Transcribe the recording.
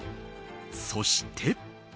そして。